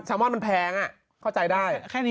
แซลมอนมันแพงอ่ะเข้าใจได้